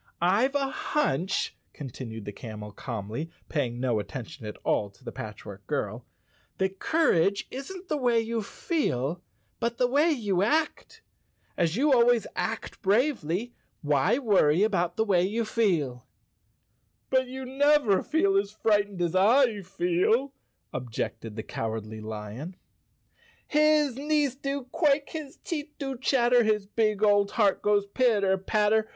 "Tve a hunch," continued the camel calmly, paying no attention at all to the Patchwork Girl, "that courage isn't the way you feel, but the way you act. As you al¬ ways act bravely, why worry about the way you feel?" "But you never felt as frightened as I feel," ob¬ jected the Cowardly Lion. " His knees do quake, His teeth do chatter, His big old heart goes pitter patter!